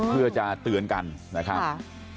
เพื่อจะเตือนกันนะครับ